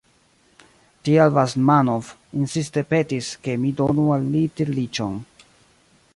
Tial Basmanov insiste petis, ke mi donu al li tirliĉon.